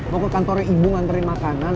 mau ke kantornya ibu nganterin makanan